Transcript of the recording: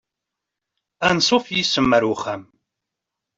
Ansuf yes-m ar uxxam.